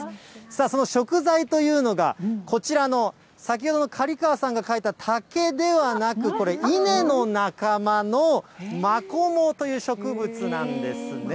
さあ、その食材というのが、こちらの先ほどの刈川さんが描いた竹ではなく、これ、稲の仲間のマコモという植物なんですね。